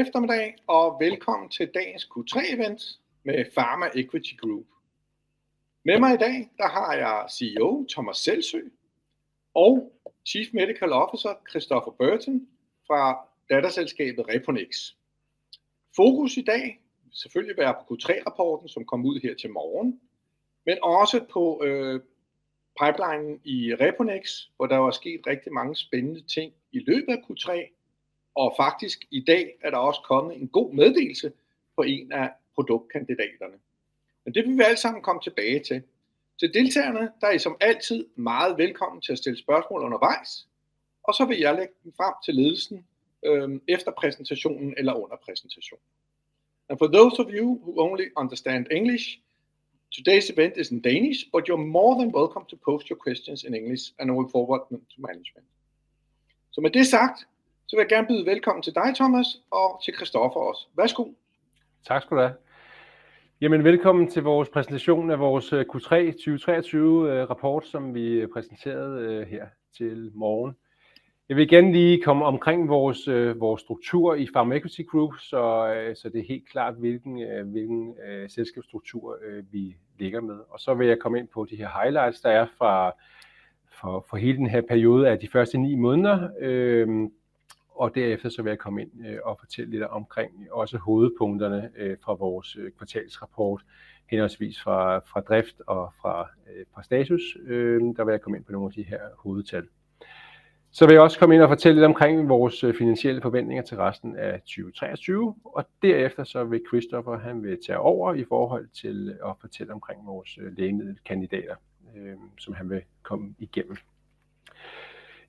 Eftermiddag og velkommen til dagens Q3 event med Pharma Equity Group. Med mig i dag har jeg CEO Thomas Seldsø og Chief Medical Officer Christopher Burton fra datterselskabet Reponex. Fokus i dag vil selvfølgelig være på Q3 rapporten, som kom ud her til morgen, men også på pipelinen i Reponex, hvor der er sket rigtig mange spændende ting i løbet af Q3. Faktisk i dag er der også kommet en god meddelelse på en af produktkandidaterne, men det vil vi alle sammen komme tilbage til. Til deltagerne: I er som altid meget velkommen til at stille spørgsmål undervejs, og så vil jeg lægge dem frem til ledelsen efter præsentationen eller under præsentationen. And for those of you who only understand English, today's event is in Danish, but you are more than welcome to post your questions in English, and we will forward them to management. Så med det sagt, så vil jeg gerne byde velkommen til dig Thomas og til Christopher. Værsgo! Tak skal du have. Jamen velkommen til vores præsentation af vores Q3 2023 rapport, som vi præsenterede her til morgen. Jeg vil gerne lige komme omkring vores struktur i Pharma Equity Group, så det er helt klart hvilken selskabsstruktur vi ligger med. Og så vil jeg komme ind på de her highlights, der er fra hele den her periode af de første ni måneder. Og derefter vil jeg komme ind og fortælle lidt omkring også hovedpunkterne fra vores kvartalsrapport, henholdsvis fra drift og fra status. Der vil jeg komme ind på nogle af de her hovedtal. Så vil jeg også komme ind og fortælle lidt omkring vores finansielle forventninger til resten af 2023. Og derefter så vil Christopher tage over i forhold til at fortælle omkring vores lægemiddelkandidater, som han vil komme igennem.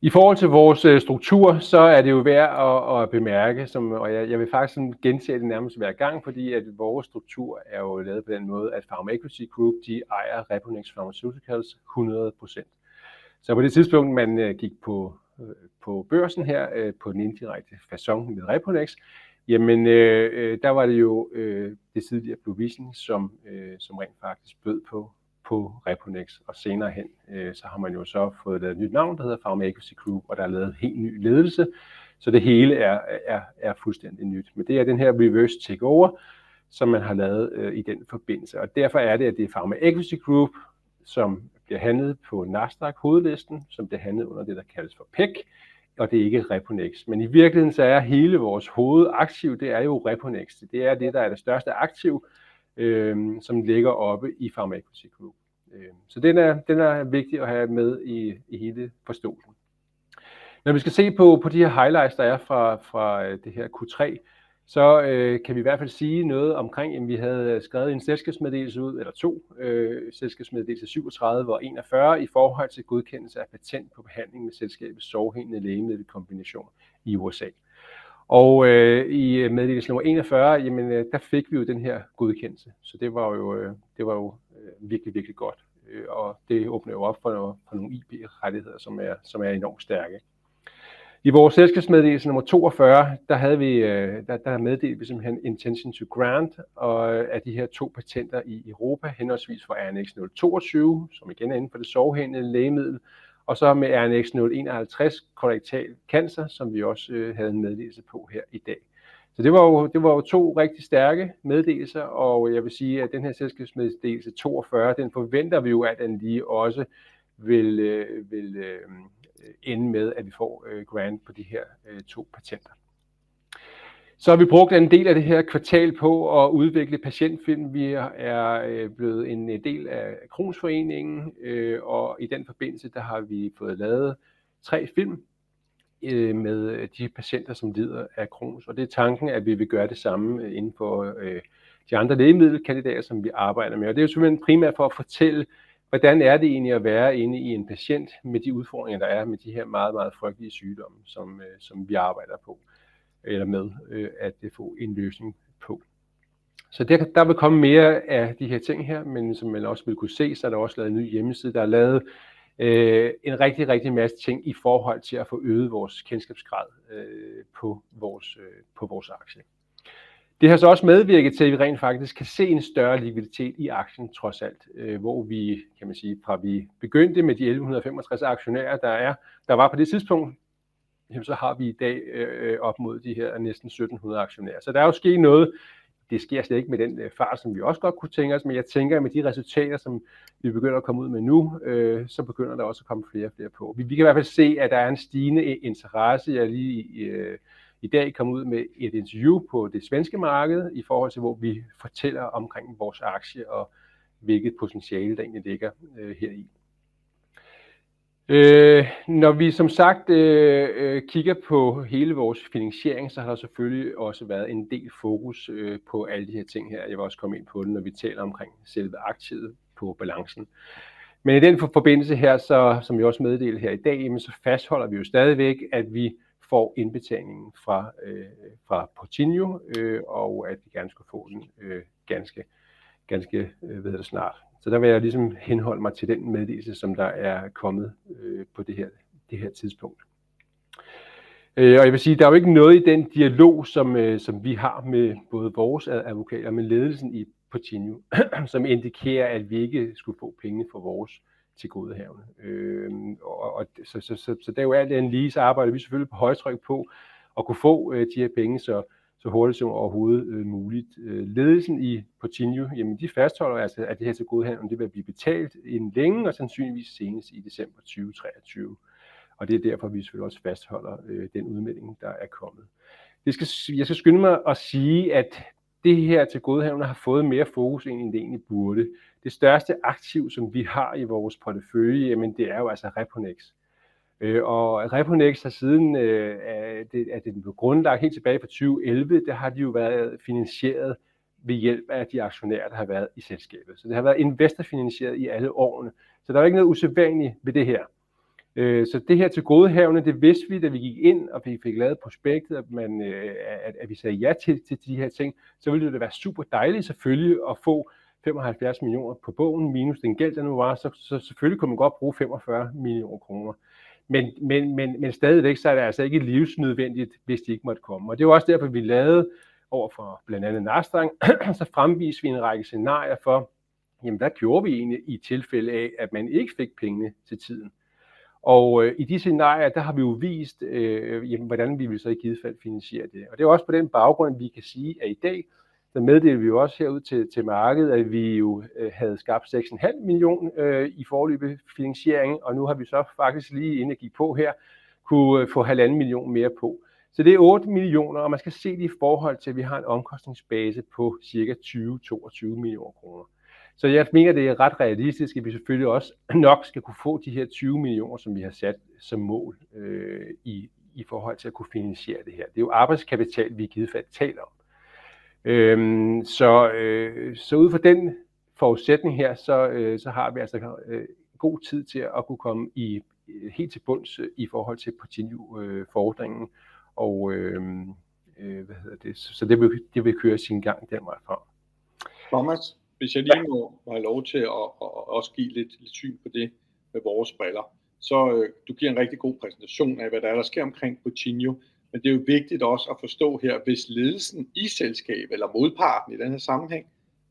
I forhold til vores struktur, så er det jo værd at bemærke, som jeg vil faktisk gentage det nærmest hver gang, fordi vores struktur er jo lavet på den måde, at Pharma Equity Group de ejer Reponex Pharmaceuticals 100%. Så på det tidspunkt man gik på børsen her på den indirekte facon med Reponex, jamen der var det jo det tidligere Blue Vision, som rent faktisk bød på Reponex, og senere hen så har man jo så fået et nyt navn, der hedder Pharma Equity Group, og der er lavet en helt ny ledelse, så det hele er fuldstændig nyt. Men det er den her reverse takeover, som man har lavet i den forbindelse, og derfor er det, at det er Pharma Equity Group, som bliver handlet på Nasdaq hovedlisten, som bliver handlet under det, der kaldes for PEC. Og det er ikke Reponex. Men i virkeligheden så er hele vores hoved aktiv. Det er jo Reponex. Det er det, der er det største aktiv, som ligger oppe i Pharma Equity Group, så den er vigtig at have med i hele forståelsen. Når vi skal se på de her highlights, der er fra det her Q3, så kan vi i hvert fald sige noget omkring, at vi havde skrevet en selskabsmeddelelse ud eller to. Selskabsmeddelelse 37 og 41 i forhold til godkendelse af patent på behandling med selskabets sårhelende lægemiddel kombination i USA og i meddelelse nummer 41. Der fik vi jo den her godkendelse, så det var jo virkelig, virkelig godt, og det åbner jo op for nogle IP rettigheder, som er enormt stærke. I vores selskabsmeddelelse nummer 42 havde vi. Der meddelte vi simpelthen intention to grant. Og at de her to patenter i Europa henholdsvis fra Annex 022, som igen er inden for det sårhelende lægemiddel og så med Annex 151 kolorektal cancer, som vi også havde en meddelelse på her i dag. Så det var jo. Det var jo to rigtig stærke meddelelser, og jeg vil sige, at den her selskabsmeddelelse 42. Den forventer vi jo, at den lige også vil ende med, at vi får grant på de her to patenter. Så har vi brugt en del af det her kvartal på at udvikle patientfilm. Vi er blevet en del af Crohns Foreningen, og i den forbindelse har vi fået lavet tre film med de patienter, som lider af Crohns, og det er tanken, at vi vil gøre det samme inden for de andre lægemiddelkandidater, som vi arbejder med. Og det er jo primært for at fortælle, hvordan er det egentlig at være inde i en patient med de udfordringer, der er med de her meget, meget frygtelige sygdomme, som vi arbejder på eller med at få en løsning på. Så der vil komme mere af de her ting her. Men som man også vil kunne se, så er der også lavet en ny hjemmeside. Der er lavet en rigtig, rigtig masse ting i forhold til at få øget vores kendskabsgrad på vores aktie. Det har så også medvirket til, at vi rent faktisk kan se en større likviditet i aktien trods alt. Hvor vi kan man sige, fra vi begyndte med de 1.165 aktionærer, der var på det tidspunkt, så har vi i dag op mod de her næsten 1.700 aktionærer, så der er jo sket noget. Det sker slet ikke med den fart, som vi også godt kunne tænke os. Men jeg tænker, at med de resultater, som vi begynder at komme ud med nu, så begynder der også at komme flere og flere på. Vi kan i hvert fald se, at der er en stigende interesse. Jeg er lige i dag kommet ud med et interview på det svenske marked i forhold til, hvor vi fortæller omkring vores aktie, og hvilket potentiale der egentlig ligger heri. Når vi som sagt kigger på hele vores finansiering, så har der selvfølgelig også været en del fokus på alle de her ting her. Jeg vil også komme ind på det, når vi taler omkring selve aktiet på balancen. Men i den forbindelse her så, som vi også meddelte her i dag, så fastholder vi jo stadigvæk, at vi får indbetalingen fra Portinho, og at vi gerne skulle få den ganske snart. Så der vil jeg ligesom henholde mig til den meddelelse, som der er kommet på det her tidspunkt. Og jeg vil sige, at der er jo ikke noget i den dialog, som vi har med både vores advokater, men ledelsen i Portinho, som indikerer, at vi ikke skulle få pengene for vores tilgodehavende. Og så der jo alt andet lige, så arbejder vi selvfølgelig på højtryk på at kunne få de her penge så hurtigt som overhovedet muligt. Ledelsen i Portinho, jamen, de fastholder altså, at det her tilgodehavende vil blive betalt inden længe og sandsynligvis senest i december 2023. Og det er derfor, vi selvfølgelig også fastholder den udmelding, der er kommet. Det skal jeg skynde mig at sige, at det her tilgodehavende har fået mere fokus, end det egentlig burde. Det største aktiv, som vi har i vores portefølje, det er jo altså Repos. Og Repos har siden den blev grundlagt helt tilbage fra 2011 - der har de jo været finansieret ved hjælp af de aktionærer, der har været i selskabet. Så det har været investorfinansieret i alle årene, så der er ikke noget usædvanligt ved det her. Så det her tilgodehavende, det vidste vi, da vi gik ind, og vi fik lavet prospektet. Men at vi sagde ja til de her ting, så ville det da være super dejligt selvfølgelig at få DKK 75 millioner på bogen minus den gæld, der nu var. Så selvfølgelig kunne man godt bruge DKK 45 millioner. Men, men, men stadigvæk, så er det altså ikke livsnødvendigt, hvis de ikke måtte komme. Det er også derfor, vi lavede over for blandt andet Nastra, så fremviste vi en række scenarier for, hvad gjorde vi egentlig i tilfælde af, at man ikke fik pengene til tiden? I de scenarier, der har vi jo vist, hvordan vi ville i givet fald finansiere det. Det er også på den baggrund, vi kan sige, at i dag, så meddeler vi jo også her ud til markedet, at vi jo havde skabt DKK 6,5 millioner i foreløbig finansiering. Nu har vi så faktisk, lige inden jeg gik på her, kunne få DKK 1,5 millioner mere på. Så det er DKK 8 millioner, og man skal se det i forhold til, at vi har en omkostningsbase på cirka DKK 20-22 millioner. Så jeg mener, det er ret realistisk, at vi selvfølgelig også nok skal kunne få de her 20 millioner, som vi har sat som mål i forhold til at kunne finansiere det her. Det er jo arbejdskapital, vi i givet fald taler om. Ud fra den forudsætning her, så har vi altså god tid til at kunne komme helt til bunds i forhold til Portinho fordringen. Det vil køre sin gang derfra. Thomas: Hvis jeg lige må have lov til at give lidt syn på det med vores briller, så du giver en rigtig god præsentation af, hvad der sker omkring Portinho. Men det er jo vigtigt også at forstå her. Hvis ledelsen i selskabet eller modparten i denne sammenhæng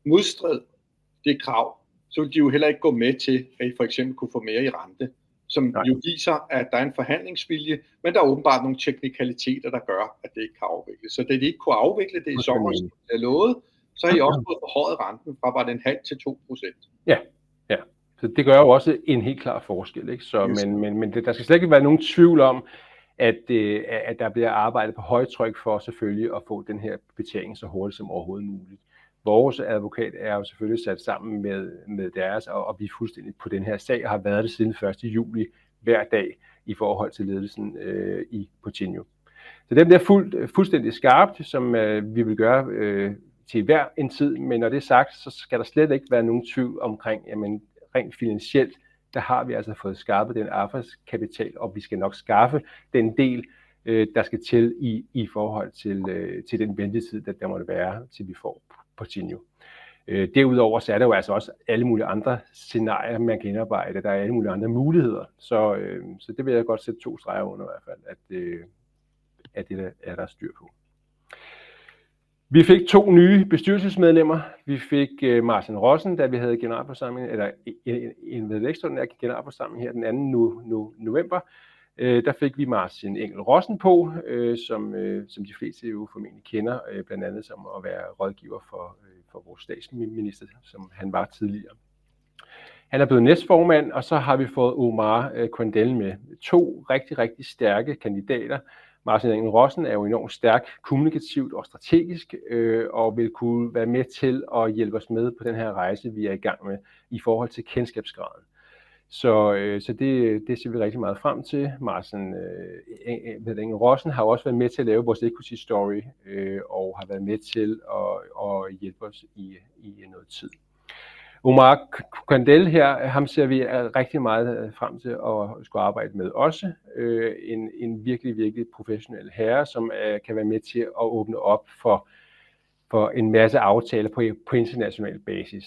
modsatte sig det krav, så ville de jo heller ikke gå med til, at I for eksempel kunne få mere i rente, som jo viser, at der er en forhandlingsvilje. Men der er åbenbart nogle teknikaliteter, der gør, at det ikke kan afvikles, så da de ikke kunne afvikle det i sommer, som de havde lovet, så har I også fået forhøjet renten fra bare en halv til 2%. Ja, ja, det gør jo også en helt klar forskel. Men der skal slet ikke være nogen tvivl om, at der bliver arbejdet på højtryk for selvfølgelig at få den her betjening så hurtigt som overhovedet muligt. Vores advokat er jo selvfølgelig sat sammen med deres, og vi er fuldstændig på den her sag og har været det siden 1. juli. Hver dag i forhold til ledelsen i Portinho, så den er fuldstændig skarp, som vi vil gøre til hver en tid. Men når det er sagt, så skal der slet ikke være nogen tvivl omkring. Rent finansielt, så har vi altså fået skabt den arbejdskapital, og vi skal nok skaffe den del, der skal til i forhold til den ventetid, der måtte være, til vi får Portinho. Derudover så er der jo også alle mulige andre scenarier, man kan indarbejde. Der er alle mulige andre muligheder, så det vil jeg godt sætte to streger under. I hvert fald at det er der styr på. Vi fik to nye bestyrelsesmedlemmer. Vi fik Martin Rossen, da vi havde generalforsamling eller en ekstraordinær generalforsamling her den 2. november. Der fik vi Martin Engel Rossen på, som de fleste jo formentlig kender, blandt andet som at være rådgiver for vores statsminister, som han var tidligere. Han er blevet næstformand, og så har vi fået Omar Kandell med. To rigtig stærke kandidater. Martin Rossen er jo enormt stærk kommunikativt og strategisk og vil kunne være med til at hjælpe os med på den her rejse, vi er i gang med i forhold til kendskabsgraden. Så det ser vi rigtig meget frem til. Martin Rossen har jo også været med til at lave vores equity story og har været med til at hjælpe os i noget tid. Omar Kandell, ham ser vi rigtig meget frem til at skulle arbejde med. Også en virkelig, virkelig professionel herre, som kan være med til at åbne op for en masse aftaler på international basis.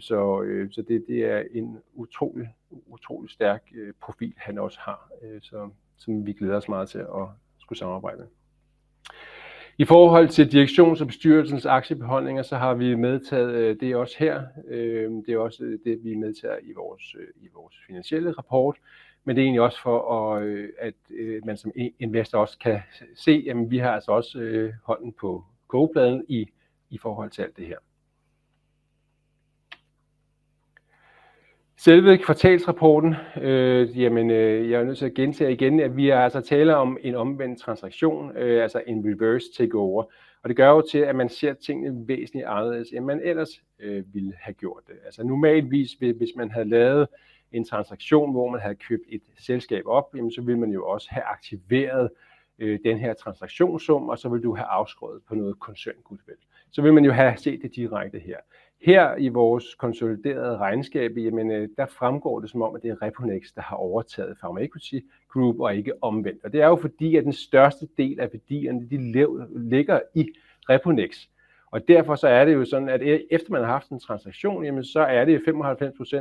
Så det er en utrolig, utrolig stærk profil, han også har, som vi glæder os meget til at skulle samarbejde med. I forhold til direktionens og bestyrelsens aktiebeholdninger, så har vi medtaget det også her. Det er også det, vi medtager i vores finansielle rapport, men det er også for at man som investor også kan se, vi har altså også hånden på kogepladen i forhold til alt det her. Selve kvartalsrapporten. Jamen, jeg er nødt til at gentage igen, at vi taler om en omvendt transaktion, altså en reverse takeover. Og det gør jo, at man ser tingene væsentligt anderledes, end man ellers ville have gjort det. Altså normalt, hvis man havde lavet en transaktion, hvor man havde købt et selskab op, jamen så ville man jo også have aktiveret den her transaktionssum, og så ville du have afskrevet på noget koncern goodwill. Så ville man jo have set det direkte her. Her i vores konsoliderede regnskab, der fremgår det, som om det er Repos, der har overtaget Pharmacy Group og ikke omvendt. Og det er jo, fordi den største del af værdierne ligger i Repos. Og derfor er det jo sådan, at efter man har haft en transaktion, jamen så er det 95%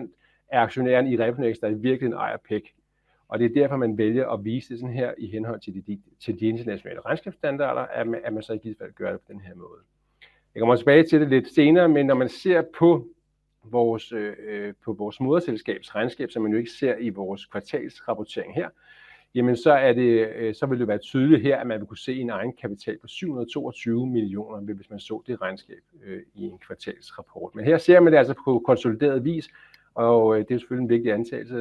af aktionærerne i Repos, der i virkeligheden ejer PEC. Og det er derfor, man vælger at vise det sådan her i henhold til de internationale regnskabsstandarder, at man så i givet fald gør det på den her måde. Jeg kommer tilbage til det lidt senere, men når man ser på vores moderselskabs regnskab, som man jo ikke ser i vores kvartalsrapportering her, jamen så er det. Så vil det være tydeligt her, at man vil kunne se en egenkapital på 720 millioner, hvis man så det regnskab i en kvartalsrapport. Men her ser man det altså på konsolideret vis, og det er selvfølgelig en vigtig antagelse,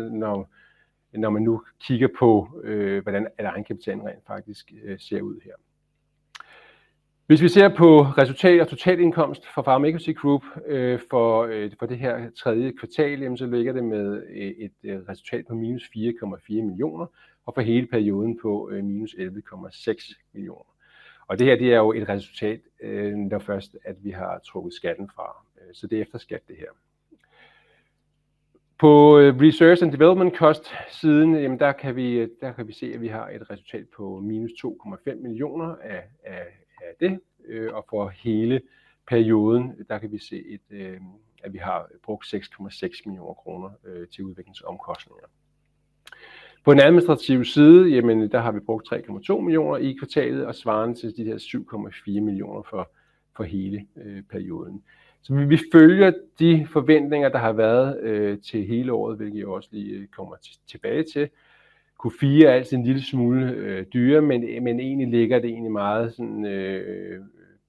når man nu kigger på, hvordan egenkapitalen rent faktisk ser ud her. Hvis vi ser på resultat og totalindkomst for Pharma Equity Group for det her tredje kvartal, så ligger det med et resultat på minus DKK 4,4 millioner og for hele perioden på minus DKK 11,6 millioner. Det her er jo et resultat, når først vi har trukket skatten fra. Så det er efter skat, det her. På Research and Development cost siden, der kan vi se, at vi har et resultat på minus DKK 2,5 millioner af det og for hele perioden. Der kan vi se, at vi har brugt DKK 6,6 millioner kroner til udviklingsomkostninger. På den administrative side, der har vi brugt DKK 3,2 millioner i kvartalet, og svarende til de her DKK 7,4 millioner for hele perioden. Så vi følger de forventninger, der har været til hele året, hvilket jeg også lige kommer tilbage til. Q4 er altid en lille smule dyrere, men egentlig ligger det meget sådan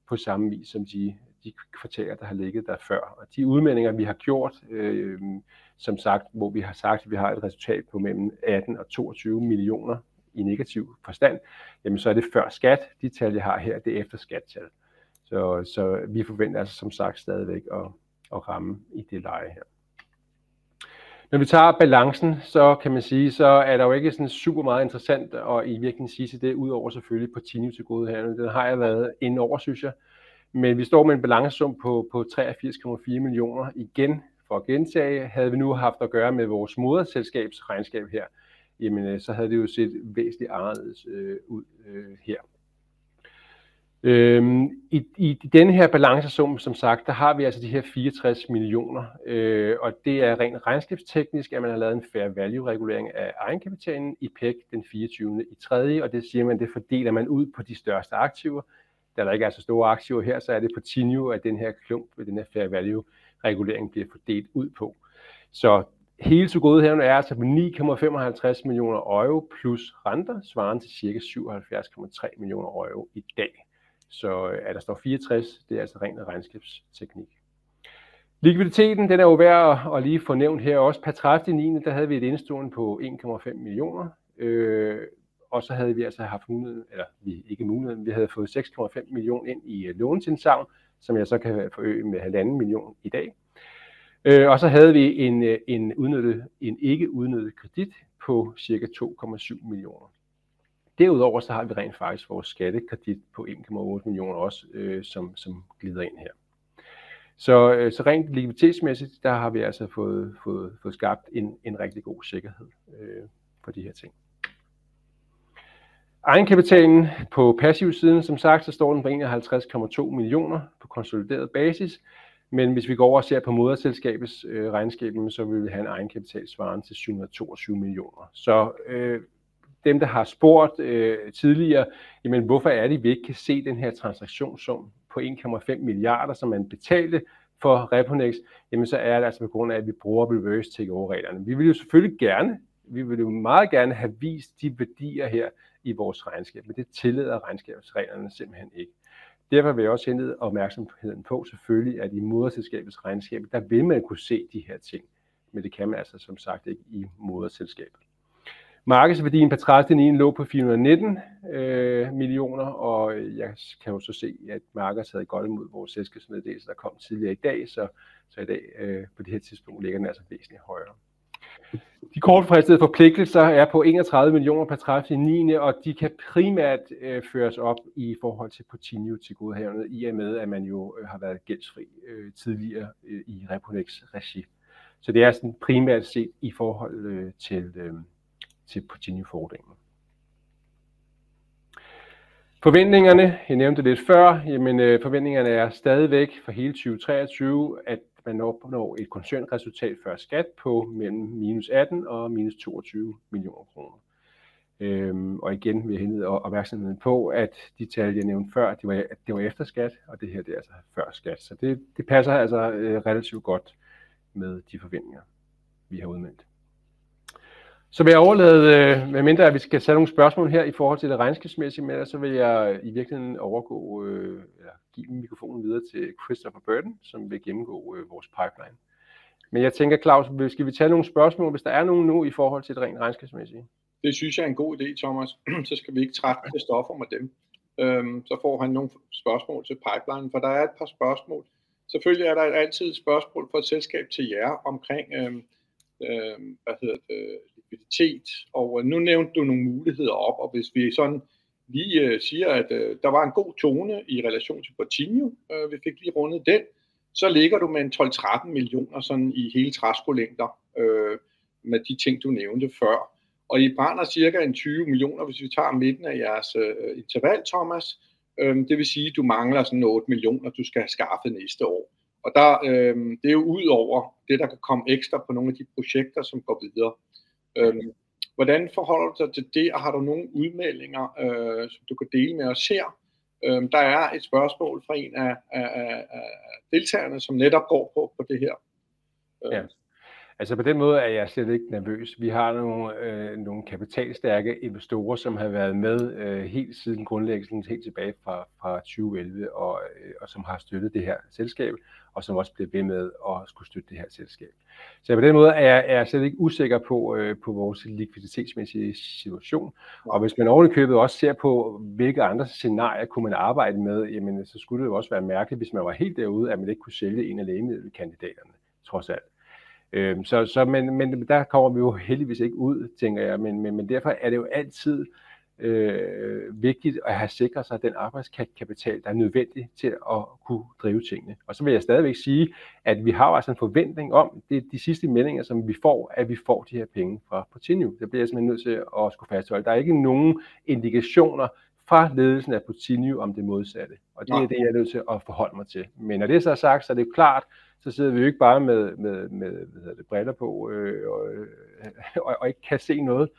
på samme vis som de kvartaler, der har ligget der før, og de udmeldinger vi har gjort. Som sagt, hvor vi har sagt at vi har et resultat på mellem 18 og 22 millioner i negativ forstand, det er før skat. De tal jeg har her, det er efter skat tal. Så vi forventer som sagt stadigvæk at ramme i det leje her. Når vi tager balancen, så kan man sige så er der jo ikke super meget interessant i virkeligheden at sige til det. Udover selvfølgelig Portinho tilgodehavende. Den har jeg været inde over, synes jeg. Men vi står med en balancesum på 43,4 millioner. Igen, for at gentage, havde vi nu haft at gøre med vores moderselskabs regnskab her. Jamen så havde det jo set væsentligt anderledes ud her i denne balancesum. Som sagt, så har vi altså de her 43 millioner, og det er rent regnskabsteknisk, at man har lavet en fair value regulering af egenkapitalen i PEG den 24. i tredje. Det siger man. Det fordeler man ud på de største aktiver. Da der ikke er så store aktiver her, så er det Portinho, at den her klump med den her fair value regulering bliver fordelt ud på. Så hele tilgodehavendet er altså på 9,55 millioner euro plus renter, svarende til cirka 77,3 millioner euro i dag. Så der står 43. Det er altså ren regnskabsteknik. Likviditeten er jo værd at lige få nævnt her også pr. 30/9. Havde vi et indestående på 1,5 millioner, og så havde vi altså haft mulighed eller ikke mulighed. Men vi havde fået 6,5 millioner ind i låneindsamling, som jeg så kan forøge med 1,5 millioner i dag. Så havde vi en udnyttet og en ikke udnyttet kredit på cirka 2,7 millioner. Derudover så har vi rent faktisk vores skattekredit på 1,8 millioner også, som glider ind her. Så rent likviditetsmæssigt, der har vi altså fået skabt en rigtig god sikkerhed for de her ting. Egenkapitalen på passivsiden. Som sagt, så står den på 150,2 millioner på konsolideret basis. Men hvis vi går over og ser på moderselskabets regnskab, så vil vi have en egenkapital svarende til 722 millioner. Så dem, der har spurgt tidligere, jamen hvorfor er det, vi ikke kan se den her transaktionssum på en komma fem milliarder, som man betalte for Reponex? Jamen så er det altså på grund af, at vi bruger reverse takeover reglerne. Vi vil jo selvfølgelig gerne. Vi vil jo meget gerne have vist de værdier her i vores regnskab, men det tillader regnskabsreglerne simpelthen ikke. Derfor vil jeg også henlede opmærksomheden på selvfølgelig, at i moderselskabets regnskab, der vil man kunne se de her ting, men det kan man altså som sagt ikke i moderselskabet. Markedsværdien pr. 30/9 lå på 419 millioner, og jeg kan jo så se, at markedet havde godt mod vores selskabsmeddelelse, der kom tidligere i dag. I dag på det her tidspunkt ligger den altså væsentligt højere. De kortfristede forpligtelser er på 31 millioner pr. 30,9, og de kan primært føres op i forhold til Portinho-tilgodehavendet. I og med at man jo har været gældfri tidligere i Reponex-regi, så det er primært set i forhold til Portinho-forretningen. Forventningerne. Jeg nævnte det lidt før, men forventningerne er stadigvæk for hele 2023, at man opnår et koncernresultat før skat på mellem minus 18 og minus 22 millioner kroner. Igen vil jeg henlede opmærksomheden på, at de tal, jeg nævnte før, det var efter skat, og det her er altså før skat. Så det passer altså relativt godt med de forventninger, vi har udmeldt. Så vil jeg overlade. Medmindre vi skal tage nogle spørgsmål her i forhold til det regnskabsmæssige. Ellers så vil jeg i virkeligheden overgå eller give mikrofonen videre til Christopher Burton, som vil gennemgå vores pipeline. Men jeg tænker Claus, skal vi tage nogle spørgsmål, hvis der er nogen nu i forhold til det rent regnskabsmæssige? Det synes jeg er en god idé, Thomas. Så skal vi ikke trætte Christoffer med dem, så får han nogle spørgsmål til pipelinen, for der er et par spørgsmål. Selvfølgelig er der altid et spørgsmål fra selskab til jer omkring likviditet. Nu nævnte du nogle muligheder op, og hvis vi sådan lige siger, at der var en god tone i relation til Portinho. Vi fik lige rundet den, så ligger du med DKK 12-13 millioner i hele træskolængder. Med de ting du nævnte før, og I brænder cirka DKK 20 millioner, hvis vi tager midten af jeres interval, Thomas. Det vil sige, at du mangler DKK 8 millioner, du skal have skaffet næste år. Det er jo ud over det, der kan komme ekstra på nogle af de projekter, som går videre. Hvordan forholder du dig til det? Og har du nogle udmeldinger, som du kan dele med os her? Der er et spørgsmål fra en af deltagerne, som netop går på det her. Ja, altså på den måde er jeg slet ikke nervøs. Vi har nogle kapitalstærke investorer, som har været med helt siden grundlæggelsen, helt tilbage fra 2011, og som har støttet det her selskab, og som også bliver ved med at skulle støtte det her selskab. Så på den måde er jeg slet ikke usikker på vores likviditetsmæssige situation. Og hvis man oven i købet også ser på, hvilke andre scenarier kunne man arbejde med, jamen så skulle det jo også være mærkeligt, hvis man var helt derude, at man ikke kunne sælge en af lægemiddelkandidaterne trods alt. Men der kommer vi jo heldigvis ikke ud, tænker jeg. Men derfor er det jo altid vigtigt at have sikret sig den arbejdskapital, der er nødvendig til at kunne drive tingene. Og så vil jeg stadigvæk sige, at vi har en forventning om, at de sidste meldinger, som vi får, at vi får de her penge fra Potino. Det bliver jeg nødt til at skulle fastholde. Der er ikke nogen indikationer fra ledelsen af Potino om det modsatte, og det er det, jeg er nødt til at forholde mig til. Men når det så er sagt, så er det klart. Vi sidder jo ikke bare med briller på og ikke kan se noget.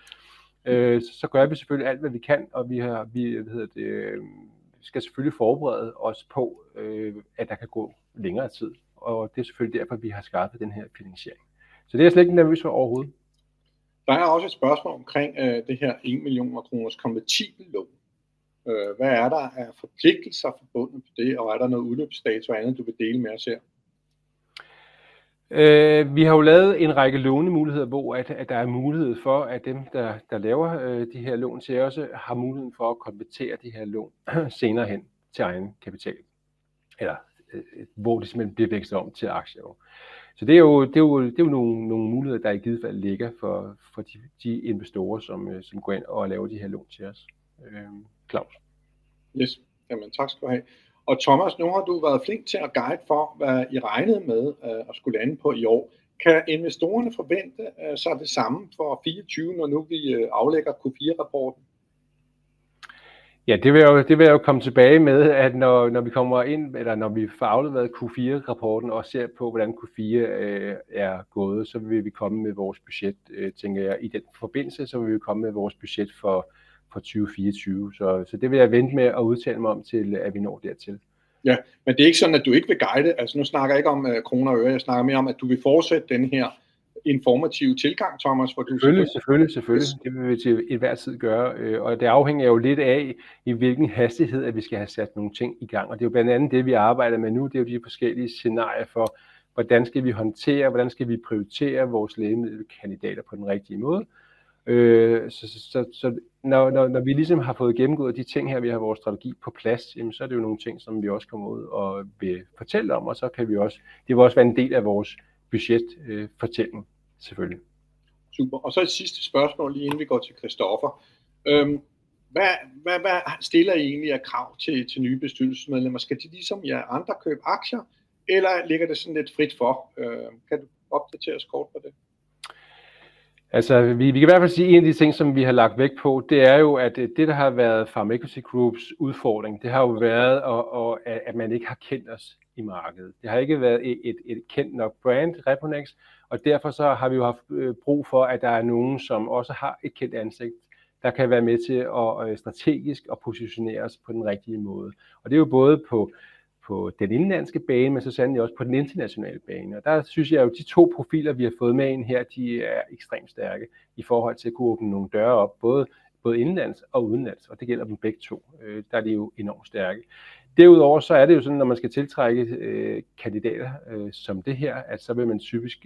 Vi gør selvfølgelig alt, hvad vi kan, og vi har. Vi skal selvfølgelig forberede os på, at der kan gå længere tid, og det er selvfølgelig derfor, vi har skabt den her finansiering. Det er jeg slet ikke nervøs for overhovedet. Der er også et spørgsmål omkring det her en million kroners konvertible lån. Hvad er der af forpligtelser forbundet med det? Og er der noget udløbsdato og andet, du vil dele med os her? Vi har jo lavet en række lånemuligheder, hvor der er mulighed for, at dem, der laver de her lån til os, har muligheden for at konvertere de her lån senere hen til egenkapital, eller hvor de simpelthen bliver vekslet om til aktier. Det er jo nogle muligheder, der i givet fald ligger for de investorer, som går ind og laver de her lån til os. Claus. Ja, men tak skal du have. Og Thomas, nu har du været flink til at guide for, hvad I regnede med at skulle lande på i år. Kan investorerne forvente sig det samme for 2024, når nu vi aflægger Q4-rapporten? Ja, det vil jeg. Det vil jeg jo komme tilbage med, når vi kommer ind, eller når vi får afleveret Q4-rapporten og ser på, hvordan Q4 er gået, så vil vi komme med vores budget, tænker jeg. I den forbindelse så vil vi komme med vores budget for 2024, så det vil jeg vente med at udtale mig om, til vi når dertil. Ja, men det er ikke sådan, at du ikke vil guide. Altså, nu snakker jeg ikke om kroner og øre. Jeg snakker mere om, at du vil fortsætte den her informative tilgang. Thomas. Selvfølgelig. Selvfølgelig. Det vil vi til enhver tid gøre, og det afhænger jo lidt af, i hvilken hastighed at vi skal have sat nogle ting i gang. Og det er jo blandt andet det, vi arbejder med nu. Det er jo de forskellige scenarier for, hvordan skal vi håndtere? Hvordan skal vi prioritere vores lægemiddelkandidater på den rigtige måde? Så når vi ligesom har fået gennemgået de ting her, vi har vores strategi på plads, jamen så er det jo nogle ting, som vi også kommer ud og vil fortælle om, og så kan vi også. Det vil også være en del af vores budgetfortælling. Selvfølgelig. Super! Og så et sidste spørgsmål, lige inden vi går til Christoffer. Hvad stiller I egentlig af krav til nye bestyrelsesmedlemmer? Skal de ligesom jer andre købe aktier, eller ligger det sådan lidt frit for? Kan du opdatere os kort på det? Altså, vi kan i hvert fald sige, at en af de ting, som vi har lagt vægt på, det er jo, at det, der har været Pharmacy Groups udfordring, det har jo været, at man ikke har kendt os i markedet. Det har ikke været et kendt nok brand Reponex, og derfor har vi jo haft brug for, at der er nogen, som også har et kendt ansigt, der kan være med til strategisk at positionere os på den rigtige måde. Og det er jo både på den indenlandske bane, men så sandelig også på den internationale bane. Og der synes jeg jo, at de to profiler, vi har fået med ind her, de er ekstremt stærke i forhold til at kunne åbne nogle døre op både indenlands og udenlands. Og det gælder dem begge to. Der er de jo enormt stærke. Derudover så er det jo sådan, når man skal tiltrække kandidater som det her, at så vil man typisk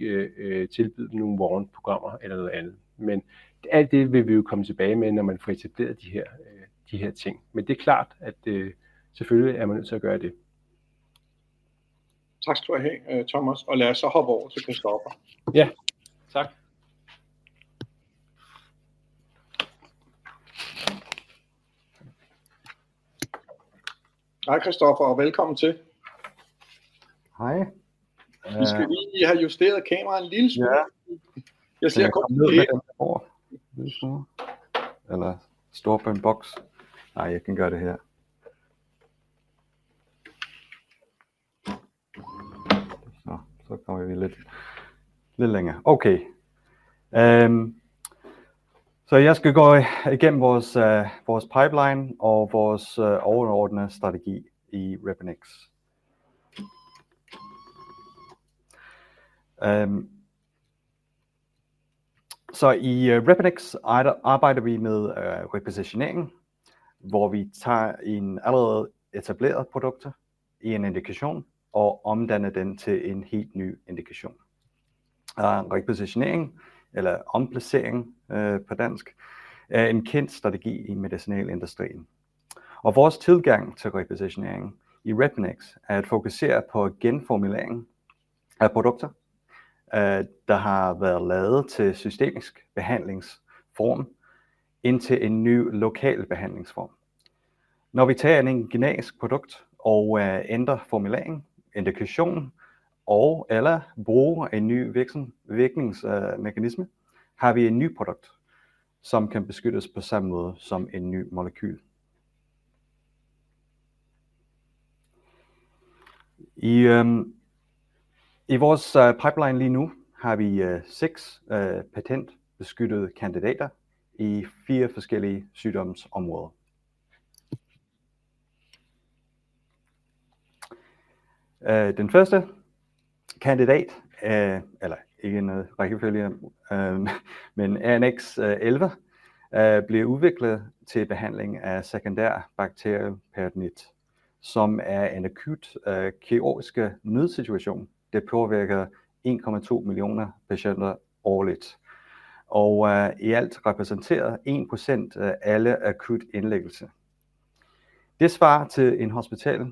tilbyde nogle morgenprogrammer eller noget andet. Men alt det vil vi jo komme tilbage med, når man får etableret de her ting. Men det er klart, at selvfølgelig er man nødt til at gøre det. Tak skal du have Thomas, og lad os så hoppe over til Christoffer. Ja tak. Hej Christoffer og velkommen til. Hej. Vi skal lige have justeret kameraet en lille smule. Jeg ser godt ned eller store boks. Nej, jeg kan gøre det her. Så kommer vi lidt lidt længere. Okay. Så jeg skal gå igennem vores pipeline og vores overordnede strategi i Repen X. Så i Repen X arbejder vi med positionering, hvor vi tager allerede etablerede produkter i en indikation og omdanner den til en helt ny indikation. Positionering eller omplacering på dansk er en kendt strategi i medicinalindustrien, og vores tilgang til positionering i Repen X er at fokusere på genformning af produkter, der har været lavet til systemisk behandlingsform indtil en ny lokal behandlingsform. Når vi tager et genetisk produkt og ændrer formuleringen, indikation og eller bruger en ny virkningsmekanisme, har vi et nyt produkt, som kan beskyttes på samme måde som et nyt molekyle. I vores pipeline lige nu har vi seks patentbeskyttede kandidater i fire forskellige sygdomsområder. Den første kandidat er eller ikke i rækkefølge, men Annex 11 bliver udviklet til behandling af sekundær bakteriel peritonitis, som er en akut kirurgisk nødsituation. Det påvirker 1,2 millioner patienter årligt og i alt repræsenterer 1% af alle akutte indlæggelser. Det svarer til et hospital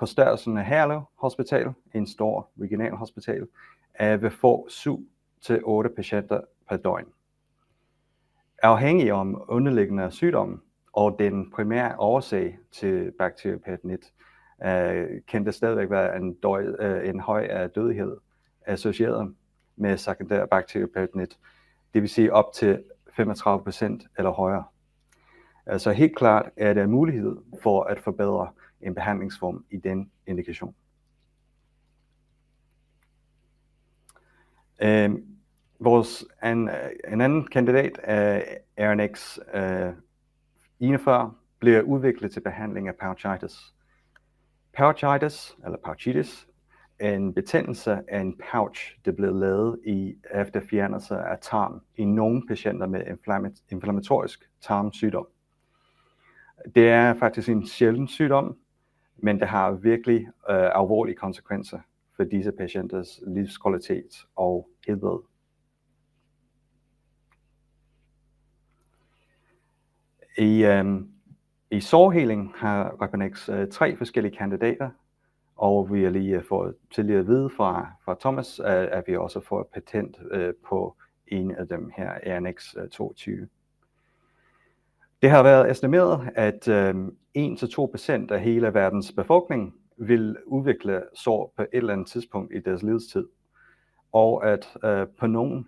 på størrelsen af Herlev Hospital. Et stort regionalt hospital vil få syv til otte patienter pr. døgn, afhængig af den underliggende sygdom og den primære årsag til bakteriel peritonitis. Der kan stadig være en høj dødelighed associeret med sekundær bakteriel peritonitis, det vil sige op til 35% eller højere. Så helt klart er det en mulighed for at forbedre en behandlingsform i den indikation. Vores anden kandidat, Annex 51, bliver udviklet til behandling af pouchitis. Peritonitis eller pouchitis. En betændelse i en pouch. Det blev lavet efter fjernelse af tarm i nogle patienter med inflammatorisk tarmsygdom. Det er faktisk en sjælden sygdom, men det har virkelig alvorlige konsekvenser for disse patienters livskvalitet og helbred. I sårheling har Re interconnects tre forskellige kandidater, og vi har lige fået at vide fra Thomas, at vi også får et patent på en af dem her Annex 22. Det har været estimeret, at 1% til 2% af hele verdens befolkning vil udvikle sår på et eller andet tidspunkt i deres levetid, og at på noget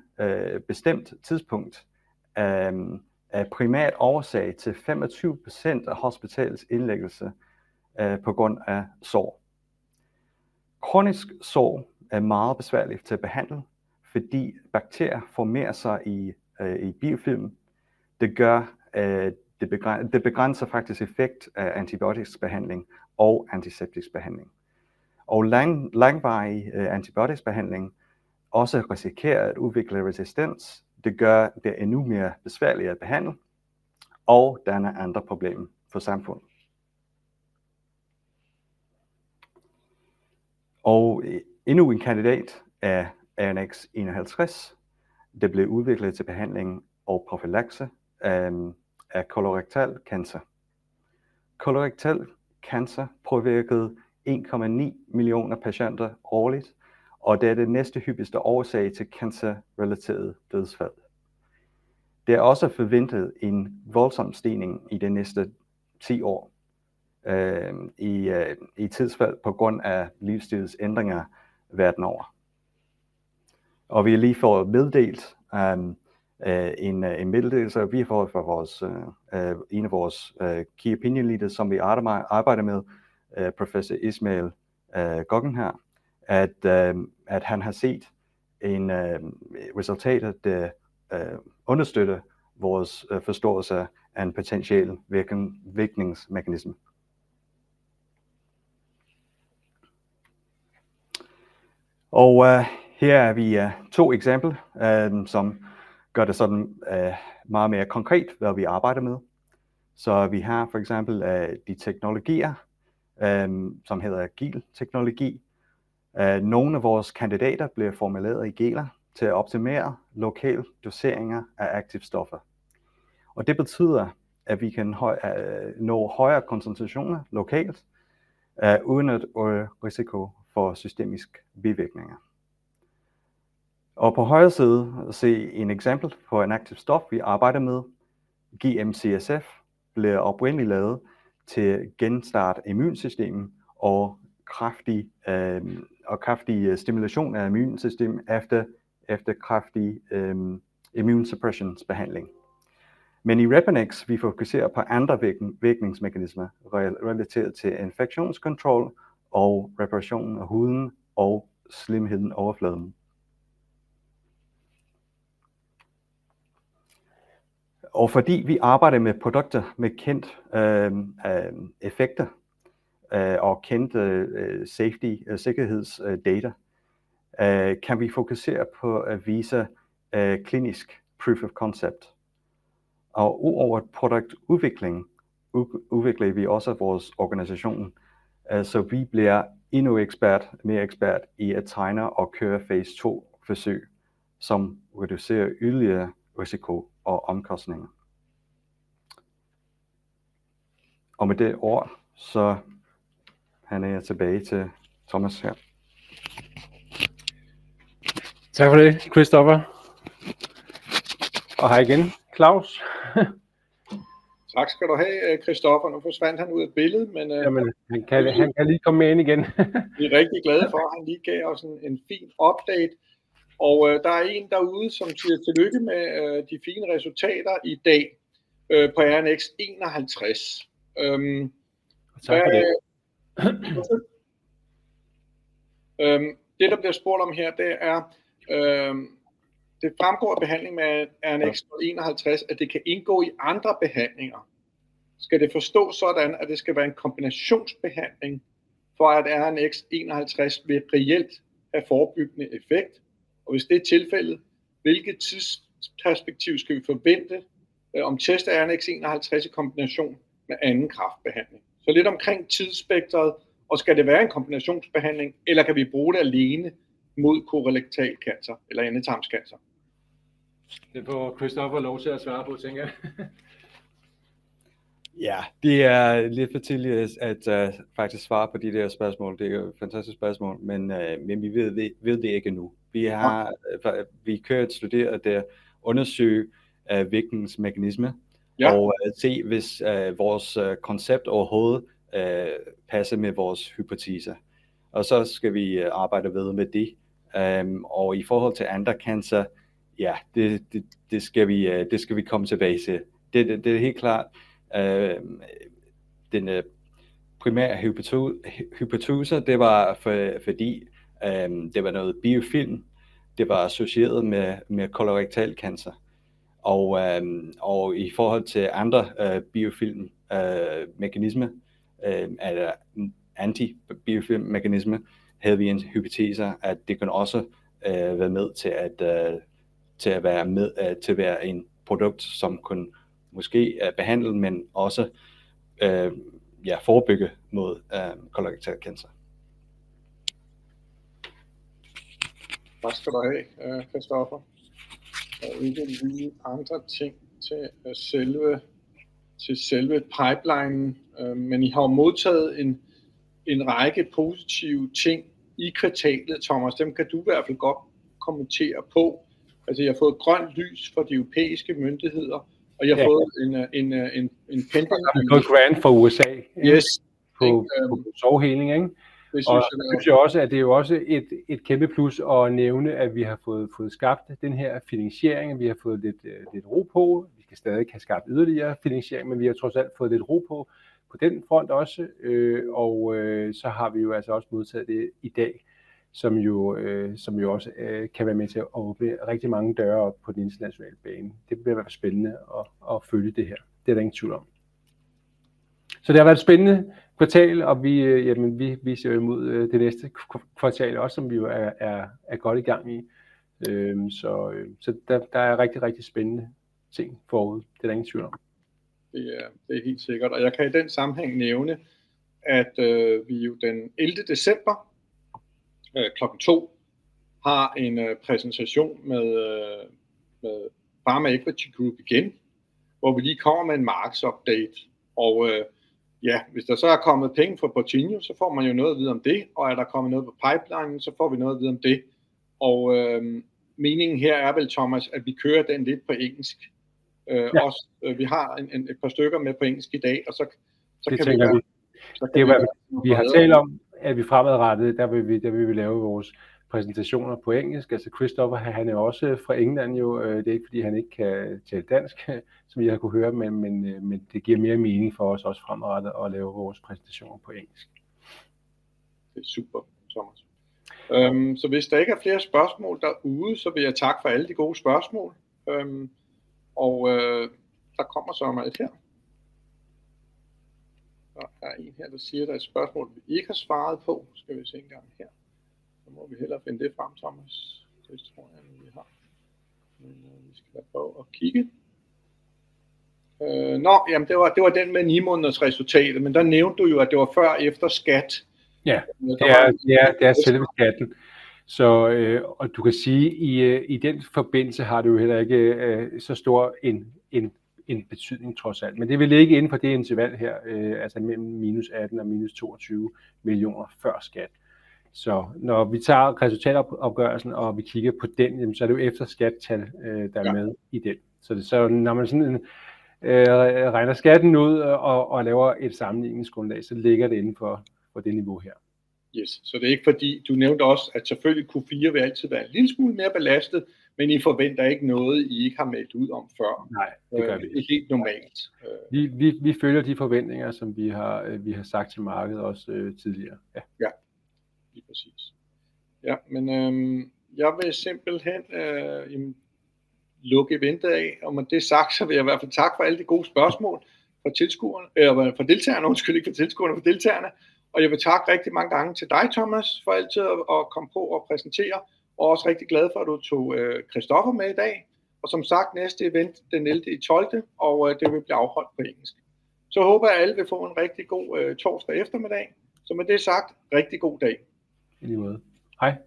bestemt tidspunkt er primær årsag til 25% af hospitalets indlæggelser på grund af sår. Kroniske sår er meget besværlige at behandle, fordi bakterier formerer sig i biofilm. Det gør, at det begrænser faktisk effekten af antibiotikabehandling og antiseptisk behandling, og langvarig antibiotikabehandling risikerer også at udvikle resistens. Det gør det endnu mere besværligt at behandle, og der er andre problemer for samfundet. Og endnu en kandidat er Annex 51. Det blev udviklet til behandling og profylakse af kolorektal cancer. Kolorektal cancer påvirkede 1,9 millioner patienter årligt, og det er den næsthyppigste årsag til cancer-relaterede dødsfald. Det er også forventet en voldsom stigning i de næste 10 år i antal dødsfald på grund af livsstilsændringer verden over. Vi har lige fået meddelt en meddelelse fra en af vores opinion leaders, som vi arbejder med, Professor Ismail Gokhan, at han har set resultater, der understøtter vores forståelse af en potentiel virkningsmekanisme. Her er to eksempler, som gør det meget mere konkret, hvad vi arbejder med. Vi har for eksempel de teknologier, som hedder gel-teknologi. Nogle af vores kandidater bliver formuleret i geler til at optimere lokal dosering af aktive stoffer, og det betyder, at vi kan nå højere koncentrationer lokalt uden risiko for systemiske bivirkninger. Og på højre side se et eksempel på et aktivt stof vi arbejder med. GMC SF blev oprindeligt lavet til at genstarte immunsystemet og kraftig stimulation af immunsystemet efter kraftig immunsuppressionsbehandling. Men i Reconnect fokuserer vi på andre virkningsmekanismer relateret til infektionskontrol og reparation af huden og slimhindeoverfladen. Og fordi vi arbejder med produkter med kendte effekter og kendte sikkerhedsdata, kan vi fokusere på at vise klinisk proof of concept og udover produktudvikling. Udvikler vi også vores organisation, så vi bliver endnu mere ekspert i at tegne og køre fase 2-forsøg, som reducerer yderligere risiko og omkostninger. Og med det ord sender jeg tilbage til Thomas her. Tak for det Christoffer. Og hej igen Claus. Tak skal du have Christoffer. Nu forsvandt han ud af billedet. Men han kan lige komme med ind igen. Vi er rigtig glade for, at han lige gav os en fin update. Og der er en derude, som siger tillykke med de fine resultater i dag på RMX 51. Tak. Det, der bliver spurgt om her, det er: Det fremgår af behandlingen af RMX 51, at det kan indgå i andre behandlinger. Skal det forstås sådan, at det skal være en kombinationsbehandling, for at RMX 51 vil reelt have forebyggende effekt? Og hvis det er tilfældet, hvilket tidsperspektiv skal vi forvente om test RMX 51 i kombination med anden kræftbehandling? Så lidt omkring tidsspekteret. Og skal det være en kombinationsbehandling, eller kan vi bruge det alene mod kolorektal cancer eller endetarmscancer? Det får Christoffer lov til at svare på, tænker jeg. Ja, det er lidt for tidligt at faktisk svare på de der spørgsmål. Det er jo et fantastisk spørgsmål, men vi ved det ikke endnu. Vi har. Vi er i gang med at studere det og undersøge hvilken mekanisme. Se, hvis vores koncept overhovedet passer med vores hypotese. Så skal vi arbejde videre med det. I forhold til andre cancer. Ja, det det skal vi. Det skal vi komme tilbage til. Det er helt klart den primære hypotese. Det var, fordi det var noget biofilm, det var associeret med kolorektal cancer. I forhold til andre biofilm mekanisme eller anti biofilm mekanisme, havde vi en hypotese, at det kunne også være med til at være en produkt, som kunne måske behandle, men også forebygge mod kolorektal cancer. Tak skal du have Christoffer. Og ikke andre ting til selve pipelinen. Men I har jo modtaget en række positive ting i kvartalet. Thomas, dem kan du i hvert fald godt kommentere på. Altså, I har fået grønt lys fra de europæiske myndigheder, og I har fået en. Grant from USA. Yes. På sårheling. Og så synes jeg også, at det er også et kæmpe plus at nævne, at vi har fået skabt den her finansiering, og vi har fået lidt ro på. Vi kan stadig skaffe yderligere finansiering, men vi har trods alt fået lidt ro på den front også. Og så har vi jo også modtaget det i dag, som jo også kan være med til at åbne rigtig mange døre op på den internationale bane. Det bliver spændende at følge det her. Det er der ingen tvivl om. Så det har været et spændende kvartal, og vi ser frem mod det næste kvartal, som vi jo er godt i gang i. Så der er rigtig spændende ting forude. Det er der ingen tvivl om. Det er helt sikkert, og jeg kan i den sammenhæng nævne, at vi jo den 11. december klokken 14:00 har en præsentation med Pharma Equity Group igen, hvor vi lige kommer med en markedsupdate. Og ja, hvis der så er kommet penge fra Portinho, så får man jo noget at vide om det. Og er der kommet noget på pipelinen, så får vi noget at vide om det. Og meningen her er vel Thomas, at vi kører den lidt på engelsk, og vi har et par stykker med på engelsk i dag. Og så kan vi se. Vi har talt om, at vi fremadrettet der vil vi. Der vil vi lave vores præsentationer på engelsk. Altså Christopher. Han er også fra England jo. Det er ikke, fordi han ikke kan tale dansk, som I har kunnet høre. Men det giver mere mening for os også fremadrettet at lave vores præsentationer på engelsk. Det er super, Thomas, så hvis der ikke er flere spørgsmål derude, så vil jeg takke for alle de gode spørgsmål, og der kommer så meget her. Og der er en her, der siger, at der er et spørgsmål, vi ikke har svaret på. Nu skal vi se engang her. Så må vi hellere finde det frem. Thomas Det tror jeg, vi har. Men vi skal da prøve at kigge. Nå, jamen det var den med ni måneders resultatet, men der nævnte du jo, at det var før og efter skat. Ja, det er selve skatten. Så du kan sige i den forbindelse har det jo heller ikke så stor en betydning trods alt. Men det vil ligge inden for det interval her. Altså mellem -18 og -22 millioner før skat. Så når vi tager resultatopgørelsen, og vi kigger på den, jamen så er det jo efter skat tal, der er med i den. Så når man sådan regner skatten ud og laver et sammenligningsgrundlag, så ligger det inden for på det niveau her. Ja, så det er ikke fordi du nævnte også, at selvfølgelig Q4 vil altid være en lille smule mere belastet, men I forventer ikke noget, I ikke har meldt ud om før. No. Det er helt normalt. Vi følger de forventninger, som vi har. Vi har sagt til markedet også tidligere. Ja, lige præcis. Ja, men jeg vil simpelthen lukke eventet af. Og med det sagt, så vil jeg i hvert fald takke for alle de gode spørgsmål fra tilskuerne og fra deltagerne. Undskyld ikke for tilskuerne, for deltagerne. Og jeg vil takke rigtig mange gange til dig, Thomas, for altid at komme på og præsentere. Og også rigtig glad for, at du tog Christoffer med i dag. Og som sagt næste event den 11.12. Og det vil blive afholdt på engelsk, så håber jeg, at alle vil få en rigtig god torsdag eftermiddag. Med det sagt rigtig god dag. I lige måde. Hej. Hej.